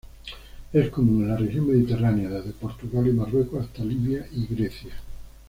Es común en la región mediterránea, desde Portugal y Marruecos hasta Libia y Grecia.